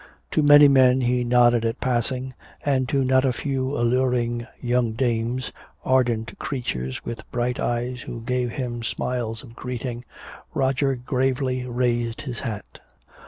To many men he nodded at passing, and to not a few alluring young dames, ardent creatures with bright eyes who gave him smiles of greeting, Roger gravely raised his hat.